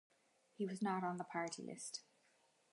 He was not on the party list.